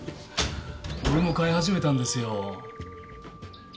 俺も飼い始めたんですよ。